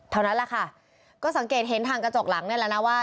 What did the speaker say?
เท่านั้นแหละค่ะก็สังเกตเห็นทางกระจกหลังนี่แหละนะว่า